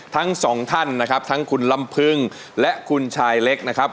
ทั้งสองท่านนะครับทั้งคุณลำพึงและคุณชายเล็กนะครับ